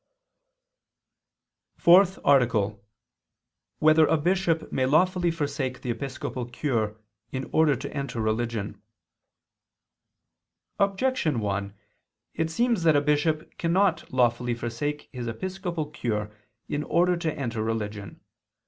_______________________ FOURTH ARTICLE [II II, Q. 185, Art. 4] Whether a Bishop May Lawfully Forsake the Episcopal Cure, in Order to Enter Religion? Objection 1: It seems that a bishop cannot lawfully forsake his episcopal cure in order to enter religion.